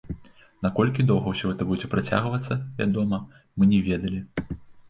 Наколькі доўга ўсё гэта будзе працягвацца, вядома, мы не ведалі.